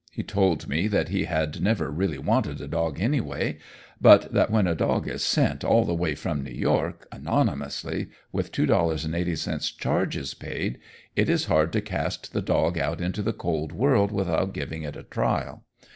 He told me that he had never really wanted a dog, anyway, but that when a dog is sent, all the way from New York, anonymously, with $2.80 charges paid, it is hard to cast the dog out into the cold world without giving it a trial.